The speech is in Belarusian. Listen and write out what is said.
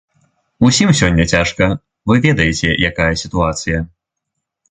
Усім сёння цяжка, вы ведаеце, якая сітуацыя.